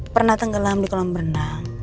pernah tenggelam di kolam berenang